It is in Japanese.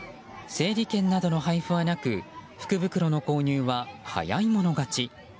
整理券などの配布はなく福袋の購入は早い者勝ち。